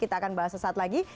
kita akan bahas sesaat lagi